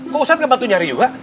kok ustad gak bantuin nyari juga